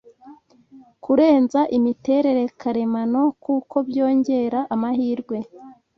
kurenza imiterere karemano kuko byongera amahirwe